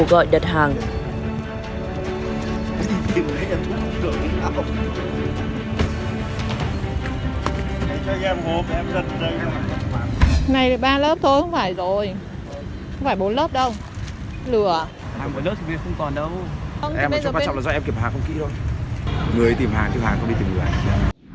người đi tìm hàng tìm hàng không đi tìm người